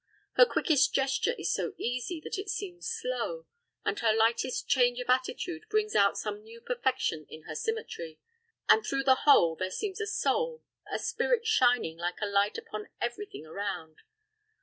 Her quickest gesture is so easy that it seems slow, and her lightest change of attitude brings out some new perfection in her symmetry; and through the whole there seems a soul, a spirit shining like a light upon every thing around.